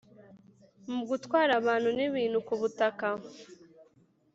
mu gutwara abantu n'ibintu ku butaka